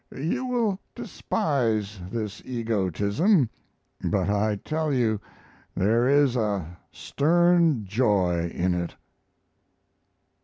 You will despise this egotism, but I tell you there is a "stern joy" in it.